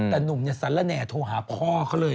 แต่หนุ่มเนี่ยสันละแหน่โทรหาพ่อเขาเลย